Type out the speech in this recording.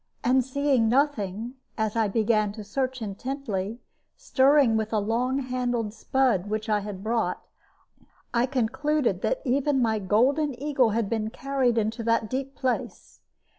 And seeing nothing, as I began to search intently, stirring with a long handled spud which I had brought, I concluded that even my golden eagle had been carried into that deep place.